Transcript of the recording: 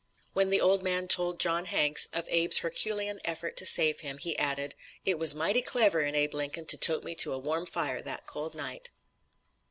When the old man told John Hanks of Abe's Herculean effort to save him, he added: "It was mighty clever in Abe Lincoln to tote me to a warm fire that cold night."